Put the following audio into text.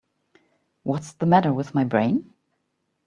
What's the matter with my brain?